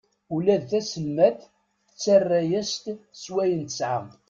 Ula d taselmadt tettara-yas-d s wayen tesɛa.